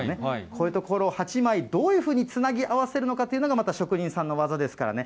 こういうところを８枚、どういうふうにつなぎ合わせるのかというのが、また職人さんの技ですからね。